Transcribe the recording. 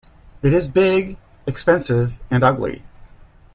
It is big, expensive, and ugly.